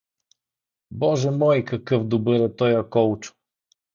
Боже мой, какъв добър е тоя Колчо!